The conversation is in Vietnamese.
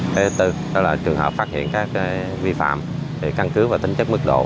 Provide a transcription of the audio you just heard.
thứ tư đó là trường hợp phát hiện các vi phạm can cước và tính chất mức độ